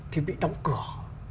thì bị đóng cửa